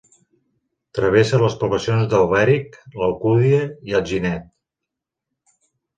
Travessa les poblacions d'Alberic, l'Alcúdia i Alginet.